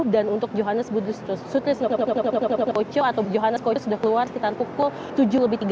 dan untuk johannes budi sustenkocho atau johannes budi sustenkocho sudah keluar sekitar pukul tujuh tiga puluh lima